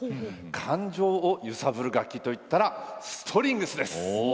感情を揺さぶる楽器といったらストリングスです。